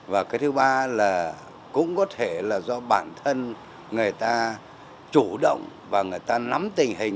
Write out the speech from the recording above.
và cái thứ ba là cũng có thể là do bản thân người ta chủ động và người ta nắm tình hình